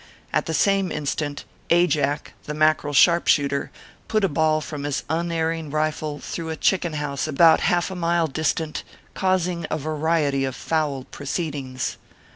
At the same instant, Ajack, the Mack erel sharpshooter, put a ball from his unerring rifle through a chicken house about half a mile distant, causing a variety of fowl proceedings.